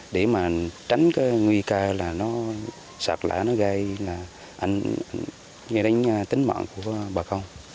để mà tránh cái nguy cơ là nó sạt lở nó gây là ảnh gây đến tính mạng của bà con